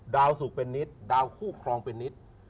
ดาวสุกเป็นนิตดาวคู่ครองเป็นนิต